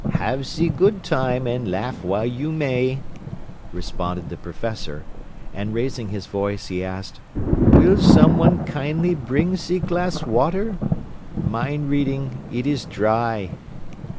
"Have ze good time and laugh while you may," responded the professor, and raising his voice he asked, "Will someone kindly bring ze glass water? Mind reading, it is dry."